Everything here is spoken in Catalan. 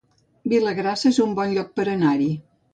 Vilagrassa es un bon lloc per anar-hi